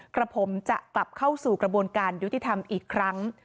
กระผมจะกลับเข้าสู่กระบวนการยุติธรรมอีกครั้ง